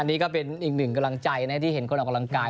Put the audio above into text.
อันนี้ก็เป็นอีกนึงกำลังใจนะที่เห็นหลักอกลางกาย